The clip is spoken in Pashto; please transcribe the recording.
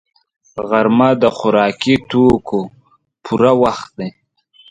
غرمه د خوراکي توکو پوره وخت دی